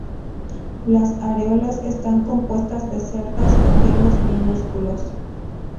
Las areolas están compuestas de cerdas o pelos minúsculos.